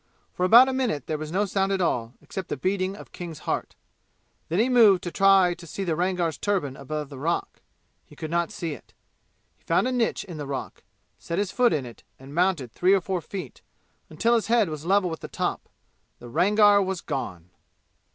For about a minute there was no sound at all, except the beating of King's heart. Then he moved to try and see the Rangar's turban above the rock. He could not see it. He found a niche in the rock, set his foot in it and mounted three or four feet, until his head was level with the top. The Rangar was gone!